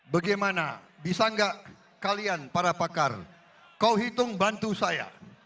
bagaimana bisa nggak kalian para pakar kau hitung bantu saya